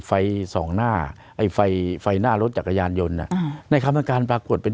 ไฟส่องหน้าไอ้ไฟไฟหน้ารถจักรยานยนต์อ่ะอ่าในคำให้การปรากฏเป็น